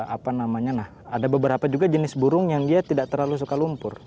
apa namanya nah ada beberapa juga jenis burung yang dia tidak terlalu suka lumpur